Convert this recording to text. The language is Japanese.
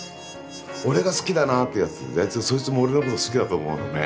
俺が「好きだな」ってやつ大体そいつも俺のこと好きだと思うのね。